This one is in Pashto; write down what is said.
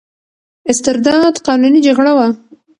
استرداد قانوني جګړه وه.